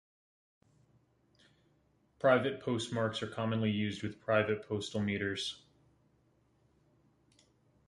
Private postmarks are commonly used with private postal meters.